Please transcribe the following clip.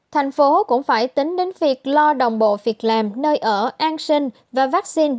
thành phố cũng phải tính đến việc lo đồng bộ việc làm nơi ở an sinh và vaccine